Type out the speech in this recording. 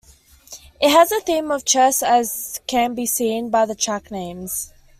It has a theme of chess as can be seen by the track names.